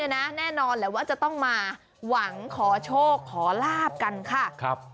แน่นอนแหละว่าจะต้องมาหวังขอโชคขอลาบกันค่ะ